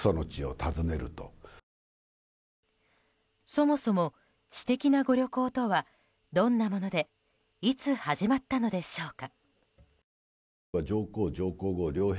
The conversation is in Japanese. そもそも私的なご旅行とはどんなものでいつ始まったのでしょうか。